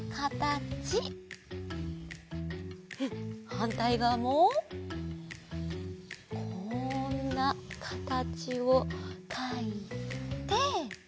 はんたいがわもこんなかたちをかいて。